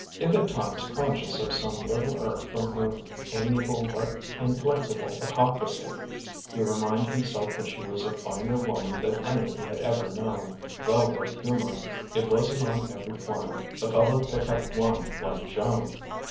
If at times conscious of some little irk from her amiable but inflexible autocracy, he reminded himself that she was a finer woman than any he had ever known, well worth humouring: it wasn't on every corner a fellow'd pick up one like Joan.